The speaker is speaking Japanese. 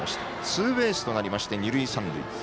ツーベースとなりまして二塁三塁。